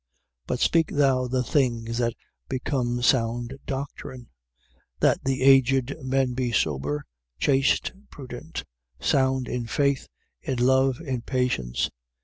2:1. But speak thou the things that become sound doctrine: 2:2. That the aged men be sober, chaste, prudent, sound in faith, in love, in patience.